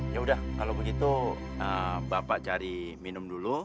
ya udah kalau begitu bapak cari minum dulu